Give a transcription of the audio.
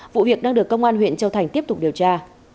vụ việc đang được công an huyện châu thành tiếp tục điều tra